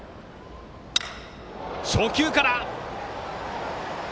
初球から。